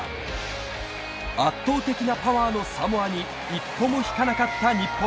圧倒的なパワーのサモアに一歩も引かなかった日本。